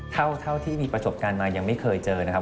เท่าที่มีประสบการณ์มายังไม่เคยเจอนะครับ